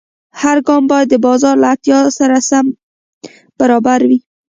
هر ګام باید د بازار له اړتیا سره برابر وي.